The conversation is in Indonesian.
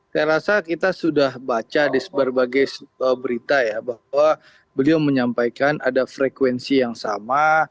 saya rasa kita sudah baca di berbagai berita ya bahwa beliau menyampaikan ada frekuensi yang sama